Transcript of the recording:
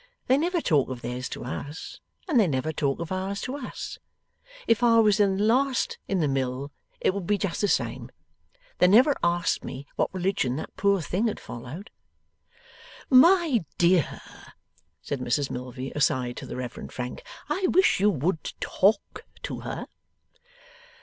They never talk of theirs to us, and they never talk of ours to us. If I was the last in the mill, it would be just the same. They never asked me what religion that poor thing had followed.' 'My dear,' said Mrs Milvey, aside to the Reverend Frank, 'I wish you would talk to her.